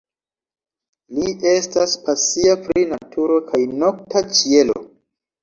Li estas pasia pri naturo kaj nokta ĉielo.